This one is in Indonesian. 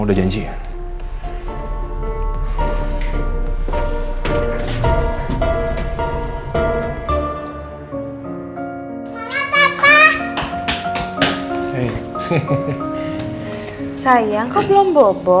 kok rena belum bobo